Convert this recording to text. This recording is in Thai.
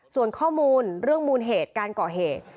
ส่วนข้อมูลเรื่องมูลเหตุการก่อเหตุ